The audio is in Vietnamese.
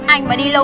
anh mà đi lâu rồi